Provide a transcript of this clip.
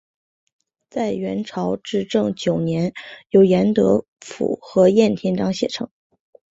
在元朝至正九年由严德甫和晏天章写成。